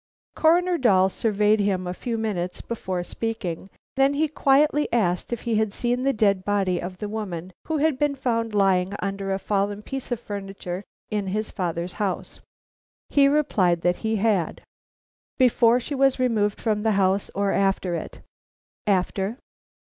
Coroner Dahl surveyed him a few minutes before speaking, then he quietly asked if he had seen the dead body of the woman who had been found lying under a fallen piece of furniture in his father's house. He replied that he had. "Before she was removed from the house or after it?" "After."